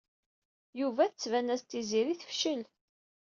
Yuba tban-as-d Tiziri tefcel.